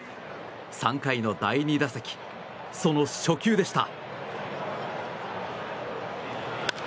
３回の第２打席その初球でした。